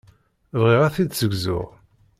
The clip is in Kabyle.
Bɣiɣ ad t-id-ssegzuɣ.